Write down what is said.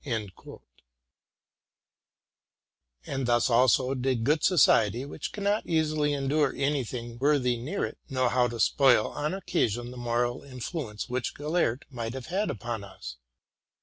'' And thus also did good society, which cannot easily en dure any thing worthy near it, know how to spoil, on occasion, the moral influence which Gellert might have had upon us.